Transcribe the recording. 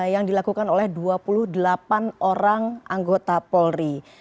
yang dilakukan oleh dua puluh delapan orang anggota polri